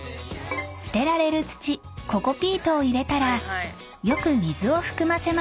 ［捨てられる土ココピートを入れたらよく水を含ませます］